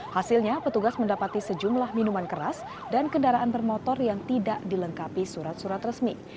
hasilnya petugas mendapati sejumlah minuman keras dan kendaraan bermotor yang tidak dilengkapi surat surat resmi